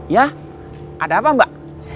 ya ada apa mbak